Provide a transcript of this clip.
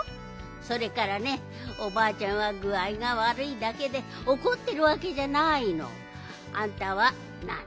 それからねおばあちゃんはぐあいがわるいだけでおこってるわけじゃないの。あんたはなんにもわるくないよ。